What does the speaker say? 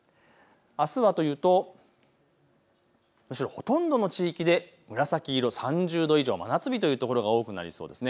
あすはというとむしろほとんどの地域で紫色、３０度以上、真夏日という所が多くなりそうです。